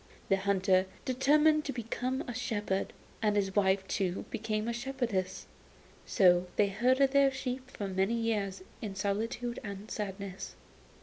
The hunter determined to become a shepherd, and his wife too became a shepherdess. So they herded their sheep for many years in solitude and sadness.